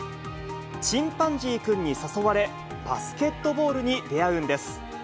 チンパンジーくんに誘われ、バスケットボールに出会うんです。